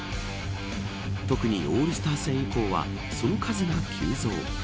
特にオールスター戦以降はその数が急増。